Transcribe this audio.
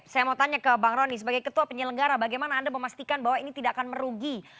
saya mau tanya ke bang rony sebagai ketua penyelenggara bagaimana anda memastikan bahwa ini tidak akan merugi